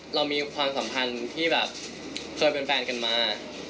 เรามีความสัมพันธ์ที่แบบเคยเป็นแฟนกันมา